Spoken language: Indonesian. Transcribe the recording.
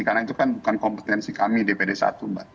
karena itu kan bukan kompetensi kami dpd satu mbak